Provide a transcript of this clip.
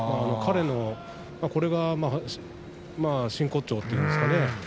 彼のこれが真骨頂というんですかね。